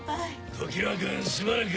常磐君しばらく！